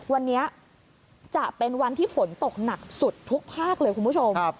วันนี้จะเป็นวันที่ฝนตกหนักสุดทุกภาคเลยคุณผู้ชม